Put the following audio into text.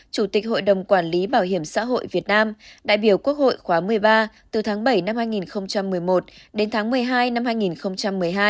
chủ tịch hội đồng quản lý bảo hiểm xã hội việt nam đại biểu quốc hội khóa một mươi ba từ tháng bảy năm hai nghìn một mươi một đến tháng một mươi hai năm hai nghìn một mươi hai